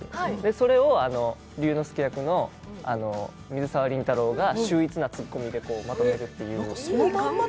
それを龍之介役の水沢林太郎が秀逸なツッコミでまとめるという。